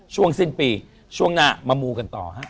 ช่วงสิ้นปี